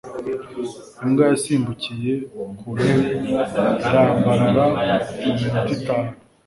imbwa yasimbukiye ku ntebe irambarara mu minota itanu